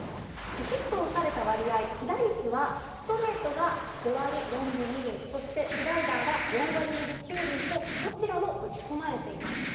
ヒットを打たれた割合被打率はストレートが５割４分２厘そしてスライダーは４割２分９厘とどちらも打ち込まれています。